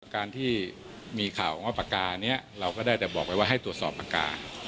การที่มีข่าวว่าปากกานี้เราก็ได้แต่บอกไว้ว่าให้ตรวจสอบปากกา